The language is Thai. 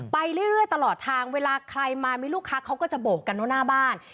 ไปเรื่อยตลอดทางเวลาใครมามีลูกค้าเขาก็จะโบกกันว่าหน้าบ้าน